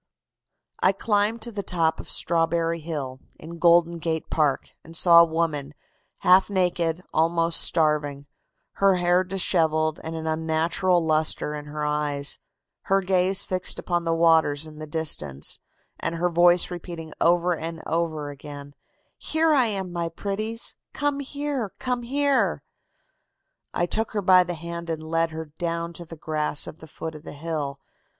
"I climbed to the top of Strawberry Hill, in Golden Gate Park, and saw a woman, half naked, almost starving, her hair dishevelled and an unnatural lustre in her eyes, her gaze fixed upon the waters in the distance, and her voice repeating over and over again: 'Here I am, my pretties; come here, come here.' "I took her by the hand and led her down to the grass at the foot of the hill.